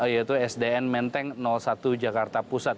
yaitu sdn menteng satu jakarta pusat